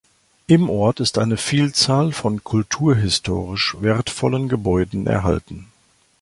Im Ort ist eine Vielzahl von kulturhistorisch wertvollen Gebäuden erhalten.